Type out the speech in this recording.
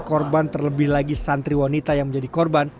korban terlebih lagi santriwanita yang menjadi korban